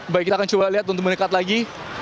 baik kita akan coba lihat untuk mendekat lagi